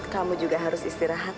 kamu juga harus istirahat